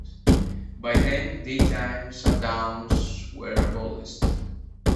By then, daytime shutdowns were abolished.